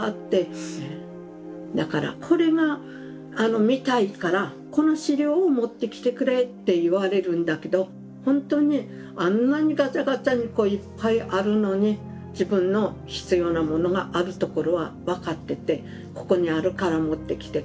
だから「これが見たいからこの資料を持ってきてくれ」って言われるんだけどほんとにあんなにガチャガチャにこういっぱいあるのに自分の必要なものがあるところは分かってて「ここにあるから持ってきてくれ」